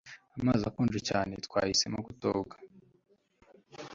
Amazi akonje cyane twahisemo kutoga